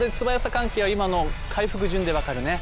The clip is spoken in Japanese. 関係は今の回復順でわかるね。